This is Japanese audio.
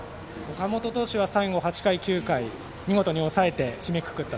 岡本投手は最後８回、９回見事に抑えて締めくくって。